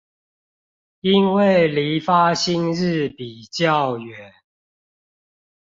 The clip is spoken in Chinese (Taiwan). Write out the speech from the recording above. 因為離發薪日比較遠